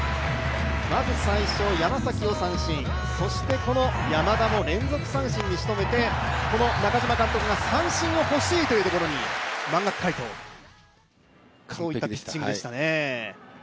まず最初、山崎を三振、そして山田も連続三振に仕留めて中嶋監督が三振を欲しいというところに満額回答といったピッチングでしたね。